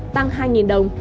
tăng hai đồng